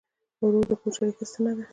ورور د کور شریکه ستنه ده.